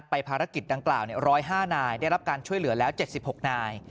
ภารกิจดังกล่าว๑๐๕นายได้รับการช่วยเหลือแล้ว๗๖นาย